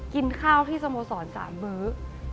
กินข้าวที่สโมสร๓มื้อ